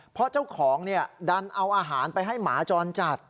เพราะเจ้าของดันเอาอาหารไปให้หมาจรจัด